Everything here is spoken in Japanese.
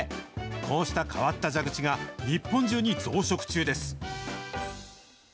こうした変わった蛇口が、日本中に増殖中です。